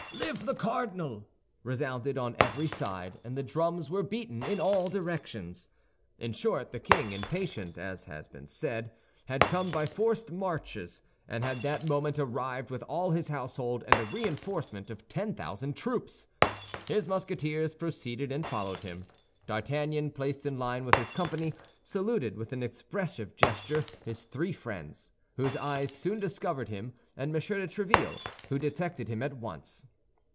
Live the cardinal!" resounded on every side, and the drums were beaten in all directions. In short, the king, impatient, as has been said, had come by forced marches, and had that moment arrived with all his household and a reinforcement of ten thousand troops. His Musketeers proceeded and followed him. D'Artagnan, placed in line with his company, saluted with an expressive gesture his three friends, whose eyes soon discovered him, and M. de Tréville, who detected him at once.